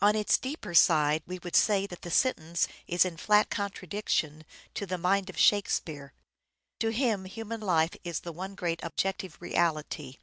On its deeper side we would say that the sentence is in flat contradiction to the mind of Shakespeare. To him human life is the one great objective reality.